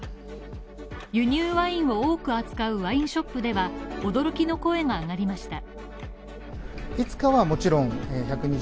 輸入ワインを多く扱うワインショップでは驚きの声が上がりました。